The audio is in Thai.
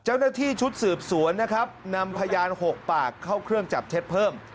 เจ้าหน้าที่ชุดสืบสวนนะครับนำพยาน๖ปากเข้าเครื่องจับเท็จเพิ่ม